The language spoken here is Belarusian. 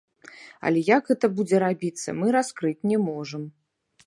Але як гэта будзе рабіцца, мы раскрыць не можам.